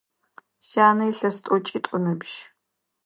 Сянэ илъэс тӏокӏитӏу ыныбжь.